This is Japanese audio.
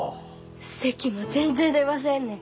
せきも全然出ませんねん。